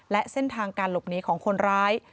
และเส้นทางการหลบหนีของคนร้าย